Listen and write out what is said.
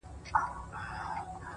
• نه د عقل نه د کار وه نه د کور وه ,